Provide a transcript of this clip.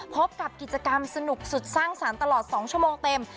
พบกับกิจกรรมสนุกสุดสร้างสรรค์ตลอด๒ชั่วโมงเต็ม